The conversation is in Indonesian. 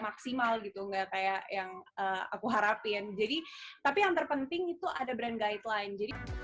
maksimal gitu nggak kayak yang aku harapin jadi tapi yang terpenting itu ada dunia guidelines